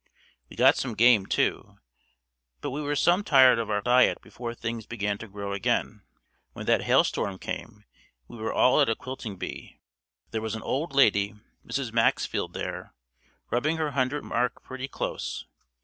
We got some game too, but we were some tired of our diet before things began to grow again. When that hailstorm came we were all at a quilting bee. There was an old lady, Mrs. Maxfield there, rubbing her hundred mark pretty close.